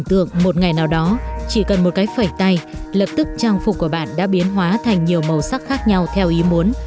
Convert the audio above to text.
tượng một ngày nào đó chỉ cần một cái phẩy tay lập tức trang phục của bạn đã biến hóa thành nhiều màu sắc khác nhau theo ý muốn